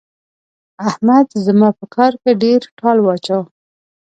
احمد زما په کار کې ډېر ټال واچاوو.